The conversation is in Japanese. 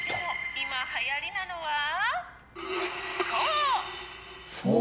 今はやりなのはフォー。